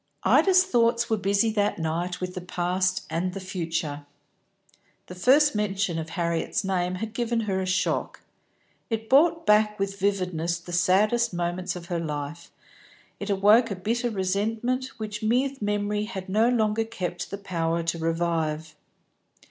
Ida's thoughts were busy that night with the past and the future. The first mention of Harriet's name had given her a shock; it brought back with vividness the saddest moments of her life; it awoke a bitter resentment which mere memory had no longer kept the power to revive.